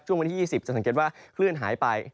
วันที่๒๐จะสังเกตว่าคลื่นหายไป